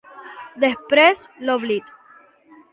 Després, l'oblit.